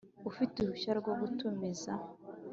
Ufite uruhushya rwo gutumiza